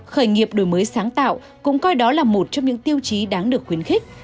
khởi nghiệp đổi mới sáng tạo cũng coi đó là một trong những tiêu chí đáng được khuyến khích